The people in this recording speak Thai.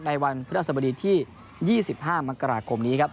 ในวันพระสบดีซี่๒๕เมือกราคมนี้ครับ